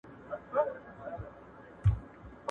د هغه په سر باندې د واورې دانې د یوه سپین تاج غوندې وې.